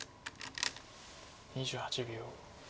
２８秒。